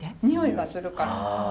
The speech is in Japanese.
においがするから。